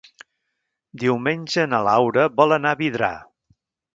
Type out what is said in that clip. Diumenge na Laura vol anar a Vidrà.